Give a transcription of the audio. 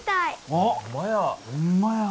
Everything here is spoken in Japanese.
あっほんまや。